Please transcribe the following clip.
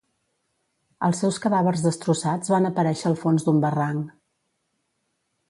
Els seus cadàvers destrossats van aparèixer al fons d'un barranc.